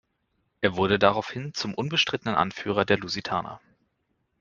Er wurde daraufhin zum unbestrittenen Anführer der Lusitaner.